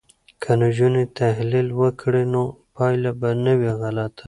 که نجونې تحلیل وکړي نو پایله به نه وي غلطه.